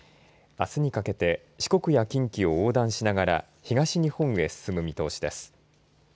あすにかけて四国や近畿を横断しながら東日本へ進む見通しです。